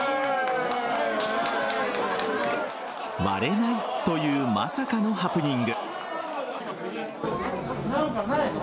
割れないというまさかのハプニング。